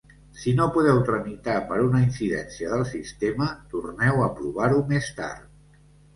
Si no podeu tramitar per una incidència del sistema, torneu a provar-ho més tard.